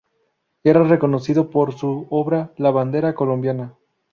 Era reconocido por sus obra "La bandera colombiana".